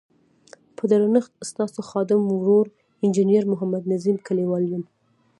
په درنښت ستاسو خادم ورور انجنیر محمد نظیم کلیوال یم.